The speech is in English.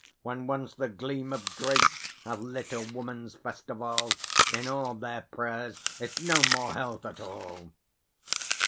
When once the gleam Of grapes hath lit a Woman's Festival, In all their prayers is no more health at all!